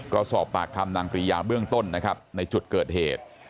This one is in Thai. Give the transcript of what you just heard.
ก็สอบปากคำนางปรียาเบื้องต้นนะครับในจุดเกิดเหตุ